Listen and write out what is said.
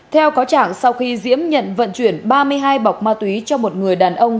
theo cáo trạng sau khi diễm nhận vận chuyển ba mươi hai bọc ma túy cho một người đàn ông